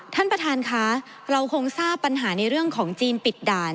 ท่านประธานค่ะเราคงทราบปัญหาในเรื่องของจีนปิดด่าน